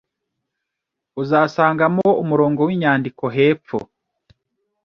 uzasangamo umurongo winyandiko hepfo.